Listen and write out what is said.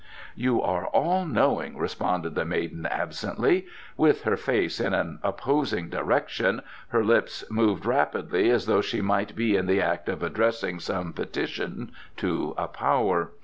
"You are all knowing," responded the maiden absently. With her face in an opposing direction her lips moved rapidly, as though she might be in the act of addressing some petition to a Power.